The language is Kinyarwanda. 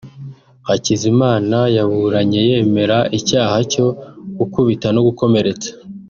Hakizimana yaburanye yemera icyaha cyo gukubita no gukomeretsa